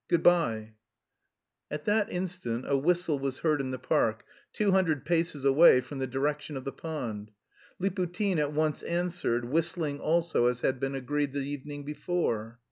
Good bye." At that instant a whistle was heard in the park, two hundred paces away from the direction of the pond. Liputin at once answered, whistling also as had been agreed the evening before.